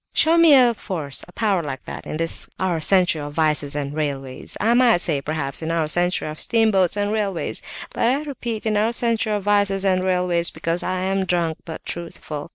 Show me a force, a power like that, in this our century of vices and railways! I might say, perhaps, in our century of steamboats and railways, but I repeat in our century of vices and railways, because I am drunk but truthful!